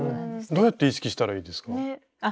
どうやって意識したらいいですか？